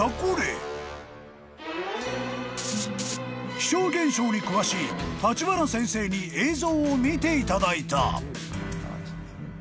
［気象現象に詳しい立花先生に映像を見ていただいた］